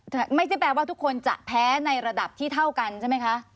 ไม่ใช่แปลว่าทุกคนจะแพ้ในระดับที่เท่ากันใช่ไหมคะ